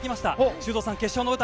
修造さん、決勝の舞台